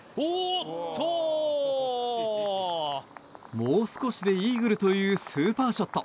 もう少しでイーグルというスーパーショット。